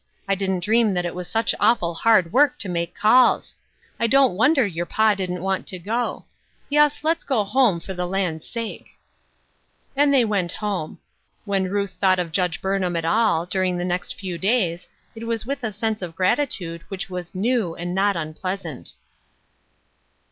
I didn't dream that it was such awful hard work to make calls. I don't wonder your pa didn't want to go. Yes, let's go home, for the land's sake I " And thev went home. When Ruth thought of Judge Burnham at all, during the next few days, it was with a sense of gratitude, which was new, and not unpleasant.